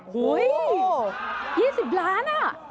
หู้ย๒๐ล้านน่ะ